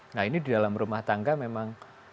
nah ini di dalam rumah tangga memang